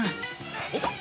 おっ！